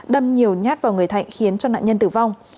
đâm nhiều nhát vào người thạnh khiến cho nạn nhân tử vong